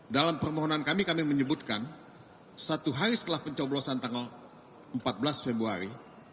dalam permohonan kami kami menyebutkan satu hari setelah pencoblosan tanggal empat belas februari